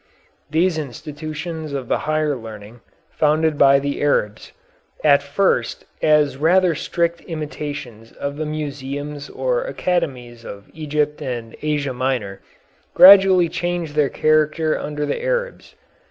These institutions of the higher learning, founded by the Arabs, at first as rather strict imitations of the museums or academies of Egypt and Asia Minor, gradually changed their character under the Arabs.